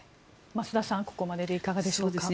増田さん、ここまででいかがでしょうか？